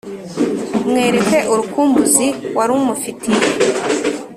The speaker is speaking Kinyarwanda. mwereke urukumbuzi wari umufiitiye